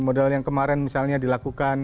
model yang kemarin misalnya dilakukan